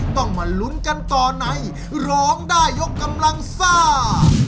ต้องมาลุ้นกันต่อในร้องได้ยกกำลังซ่า